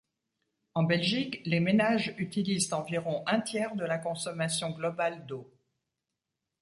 En Belgique, les ménages utilisent environ un tiers de la consommation globale d’eau.